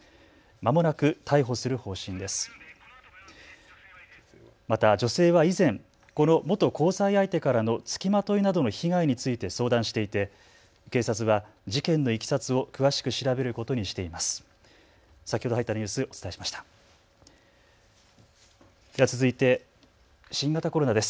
また女性は以前、この元交際相手からのつきまといなどの被害について相談していて警察は事件のいきさつを詳しく調べることにしています。